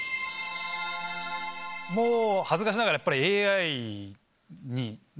もう恥ずかしながらやっぱり。